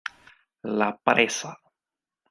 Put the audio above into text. La presa.